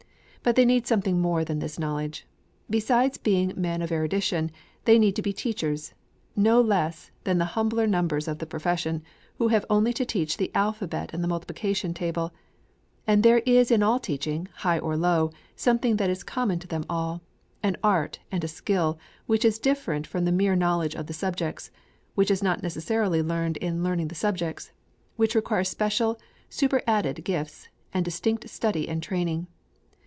But they need something more than this knowledge. Besides being men of erudition, they need to be teachers, no less than the humbler members of the profession, who have only to teach the alphabet and the multiplication table; and there is in all teaching, high or low, something that is common to them all an art and a skill which is different from the mere knowledge of the subjects; which is not necessarily learned in learning the subjects; which requires special, superadded gifts, and distinct study and training.